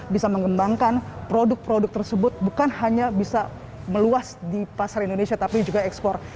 bisa mengembangkan produk produk tersebut bukan hanya bisa meluas di pasar indonesia tapi juga ekspor